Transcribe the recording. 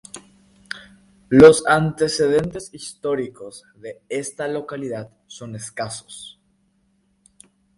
Los antecedentes históricos de esta localidad son escasos.